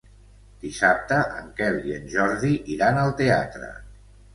Dissabte en Quel i en Jordi iran al teatre.